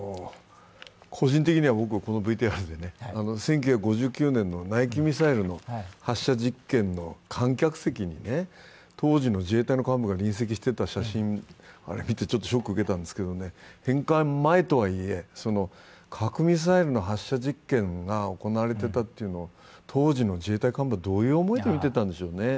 個人的には僕このＶＴＲで１９５０年のナイキミサイルの発射実験の観客席に当時の自衛隊の幹部が臨席していた写真、あれを見てちょっとショックを受けたんですけど、返還前とはいえ核ミサイルの発射実験が行われていたというの、当時の自衛隊幹部はどういう思い出見てたんでしょうね。